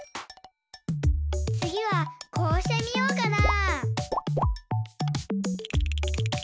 つぎはこうしてみようかな？